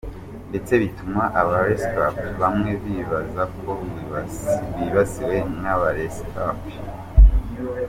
Ndetse bituma aba rescapés bamwe bibaza ko bibasiwe nk’aba rescapés.